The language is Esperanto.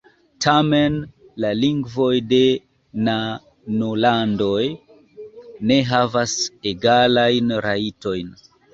Tamen la lingvoj de nanolandoj ne havas egalajn rajtojn.